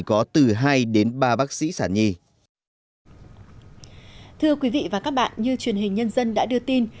có từ hai đến ba bác sĩ sản nhi thưa quý vị và các bạn như truyền hình nhân dân đã đưa tin